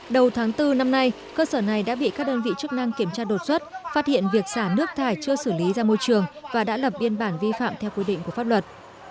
đầu tháng bốn năm nay cơ sở này đã bị các đơn vị chức năng kiểm tra đột xuất phát hiện việc xả nước thải chưa xử lý ra môi trường và đã lập biên bản vi phạm theo quy định của pháp luật